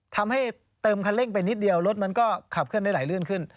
ทำให้เติมคันเร่งไปนิดเดียวรถมันก็ขับเคลื่อนได้ไหลลื่นขึ้น